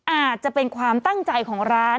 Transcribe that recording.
อาจจะเป็นความตั้งใจของร้าน